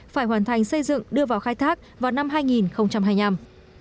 phải hoàn thành xây dựng đưa vào khai thác vào năm hai nghìn hai mươi năm